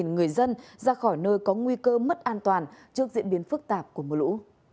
người dân ra khỏi nơi có nguy cơ mất an toàn trước diễn biến phức tạp của mưa lũ